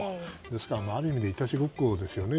ですから、ある意味でいたちごっこですよね。